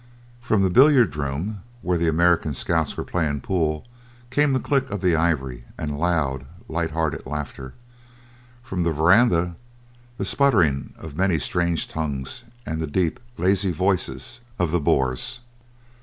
From the billiard room, where the American scouts were playing pool, came the click of the ivory and loud, light hearted laughter; from the veranda the sputtering of many strange tongues and the deep, lazy voices of the Boers.